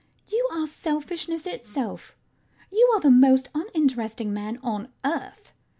You are selfishness itself. You are the most uninteresting man on earth.